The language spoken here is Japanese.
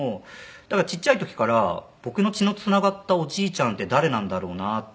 だからちっちゃい時から僕の血のつながったおじいちゃんって誰なんだろうなって。